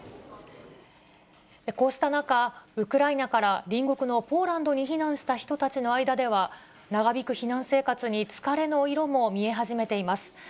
こうした中、ウクライナから隣国のポーランドに避難した人たちの間では、長引く避難生活に疲れの色も見え始めています。